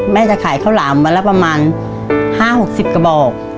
จะขายข้าวหลามวันละประมาณ๕๖๐กระบอก